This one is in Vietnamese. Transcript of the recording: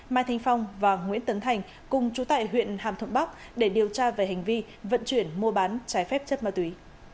mai thanh phong và nguyễn tấn thành cùng trú tại huyện hàm thuận bắc để điều tra về hành vi vận chuyển mua bán trái phép chất ma túy